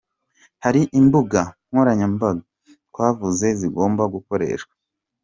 Hari imbuga nkoranyambaga twavuze zigomba gukoreshwa.